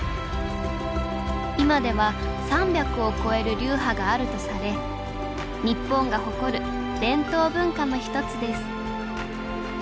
今では３００を超える流派があるとされ日本が誇る伝統文化の１つです